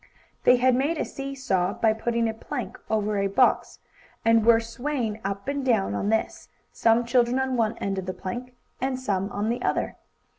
They had made a see saw, by putting a plank over a box, and were swaying up and down on this, some children on one end of the plank and some on the other.